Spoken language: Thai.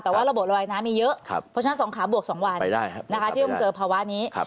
แต่ว่าระบบระบายน้ำมีเยอะเพราะฉะนั้น๒ขาบวก๒วันที่ต้องเจอภาวะนี้